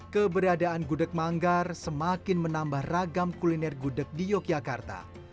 keberadaan gudeg manggar semakin menambah ragam kuliner gudeg di yogyakarta